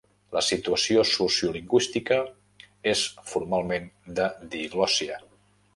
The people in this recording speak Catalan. La situació sociolingüística és formalment de diglòssia.